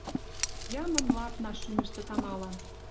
Ямын ладна шумӹштӹ тамалан